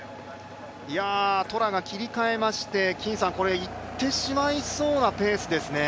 トラが切り替えましていってしまいそうなペースですね。